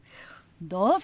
どうぞ！